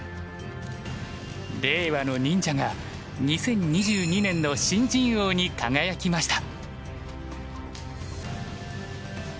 令和の忍者が２０２２年の新人王に輝きました。